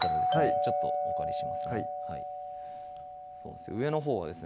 ちょっとお借りしますね上のほうはですね